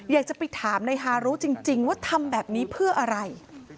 อยากจะไปถามนายฮารุจริงว่าทำแบบนี้เพื่ออะไร